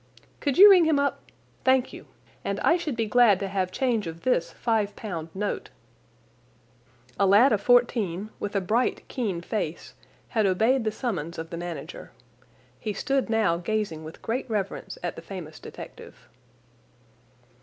"Could you ring him up?—thank you! And I should be glad to have change of this five pound note." A lad of fourteen, with a bright, keen face, had obeyed the summons of the manager. He stood now gazing with great reverence at the famous detective.